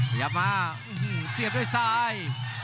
พยายามมาเสียบด้วยสาย